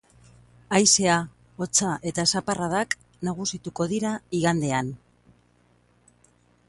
Haizea, hotza eta zaparradak nagusituko dira igandean.